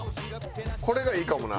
これがいいかもな。